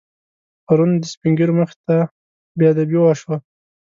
پرون د سپینږیرو مخې ته بېادبي وشوه.